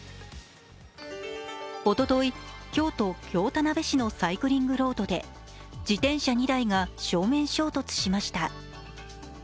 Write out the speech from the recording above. おととい、京都・京田辺市のサイクリングロードで、自転車２台が正面衝突しました。